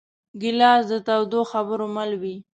ګیلاس د تودو خبرو مل وي.